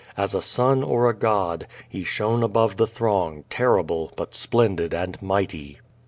As a sun or a god, he shone above the throng, terrible, but splendid and mighty.